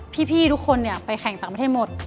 พี่ทุกคนไปแข่งต่างประเทศหมด